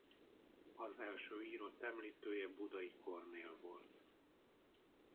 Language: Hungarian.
Az első írott említője Budai Kornél volt.